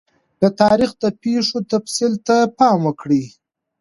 د تاریخ د پیښو تفصیل ته پام وکړئ.